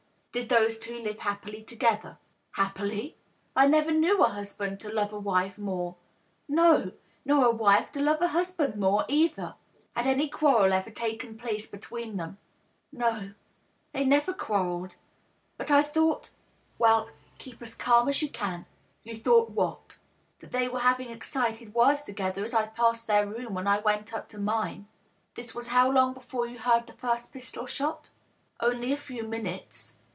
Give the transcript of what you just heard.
" Did those two live happily together ?"" Happily ! I never knew a husband to love a wife mcwre — no, nor a wife to love a husband more, either !" 1* Had any quarrel ever taken place between them ?"" No ; they never quarrelled. But I thought ——"" Well, keep as calm as you can. You thought what?" " That they were having excited words together as I passed their room when I went up to mine." " This was how long before you heard the first pistol shot?" " Only a few minutes."